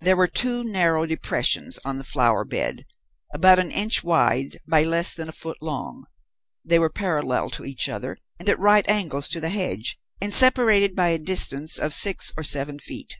There were two narrow depressions on the flower bed, about an inch wide by less than a foot long. They were parallel to each other, and at right angles to the hedge, and separated by a distance of six or seven feet.